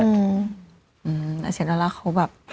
อาชีพดอลเล่าเขาแบบ